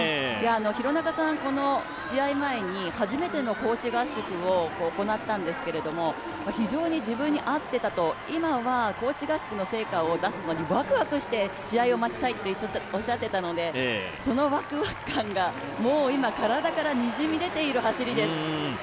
廣中さん、この試合前に初めての高地合宿を行ったんですけど非常に自分に合ってたと、今は高地合宿の成果を出すのにわくわくして試合を待ちたいとおっしゃっていたのでそのワクワク感が今、体からにじみ出ている走りです。